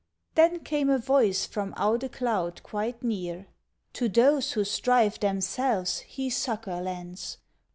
Then came a voice from out a cloud quite near: "To those who strive themselves he succour lends.